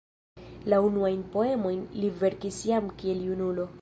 La unuajn poemojn li verkis jam kiel junulo.